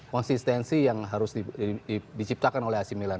konsistensi yang harus diciptakan oleh ac milan